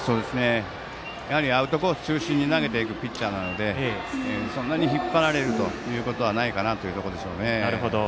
やはりアウトコース中心に投げているピッチャーなのでそんなに引っ張ることはないかなという感じですね。